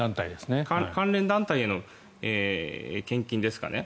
関連団体への献金ですかね